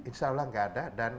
insya allah gak ada